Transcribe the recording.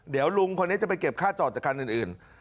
เดี๋ยวลุงคนนี้จะไปเก็บค่าจอดจากคันอื่น